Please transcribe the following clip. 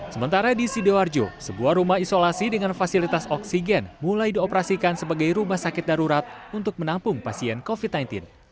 sementara di sidoarjo sebuah rumah isolasi dengan fasilitas oksigen mulai dioperasikan sebagai rumah sakit darurat untuk menampung pasien covid sembilan belas